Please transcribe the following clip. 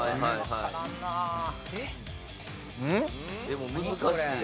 でも難しい。